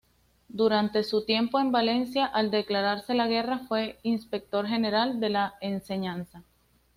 Durante su tiempo en Valencia al declararse la guerra fue inspector general de enseñanza.